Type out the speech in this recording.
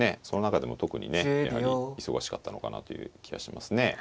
その中でも特にねやはり忙しかったのかなという気はしますね。